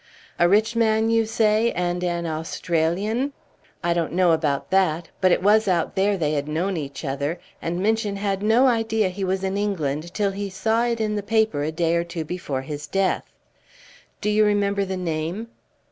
"A rich man, you say, and an Australian?" "I don't know about that, but it was out there they had known each other, and Minchin had no idea he was in England till he saw it in the paper a day or two before his death." "Do you remember the name?"